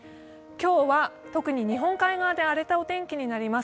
今日は特に日本海側で荒れたお天気になります。